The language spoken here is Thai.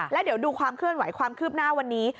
แล้วเดี๋ยวดูความเคลื่อนไหวความคืบหน้าวันนี้